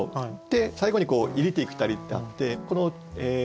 最後にこう「入りていきたり」ってあって。